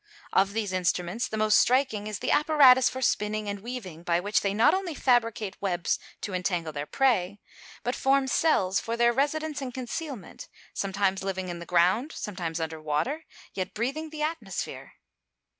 Of these instruments the most striking is the apparatus for spinning and weaving, by which they not only fabricate webs to entangle their prey, but form cells for their residence and concealment; sometimes living in the ground, sometimes under water, yet breathing the atmosphere.